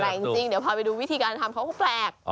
แต่จริงเดี๋ยวพาไปดูวิธีการทำเขาก็แปลก